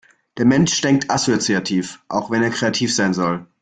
Der Mensch denkt assoziativ, auch wenn er kreativ sein soll.